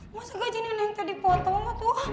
masa gaji neneknya dipotong